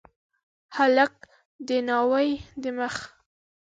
هلک د ناوي د مخ